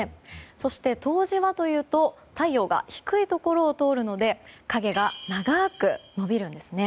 そして、冬至はというと太陽が低いところを通るので影が長く伸びるんです。